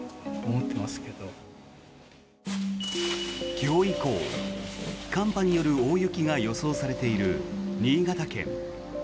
今日以降、寒波による大雪が予想されている新潟県。